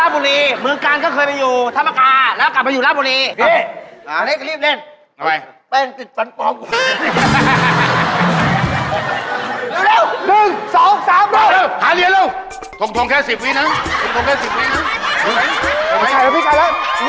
วินาทีไหม